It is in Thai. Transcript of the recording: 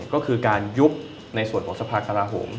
ก็คือการยุบในส่วนของสภากราโหม